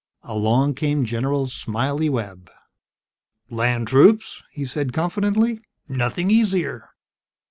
Along came General "Smiley" Webb. "Land troops?" he'd said, confidently, "nothing easier.